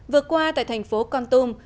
vừa qua tại thành phố con tum